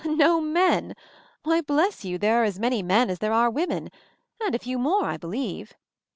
"No menl Why, bless you, there are as m#ny men as there are women, and a few more, I believe.